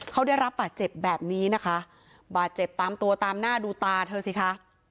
เขาได้รับบาดเจ็บแบบนี้นะคะบาดเจ็บตามตัวตามหน้าดูตาเธอสิคะ